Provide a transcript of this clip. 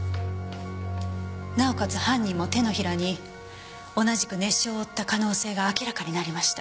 なおかつ犯人も手のひらに同じく熱傷を負った可能性が明らかになりました。